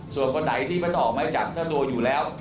ส่วนคนไหนที่จะออกไม้จับถ้าตัวอยู่แล้ว